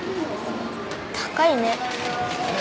高いね。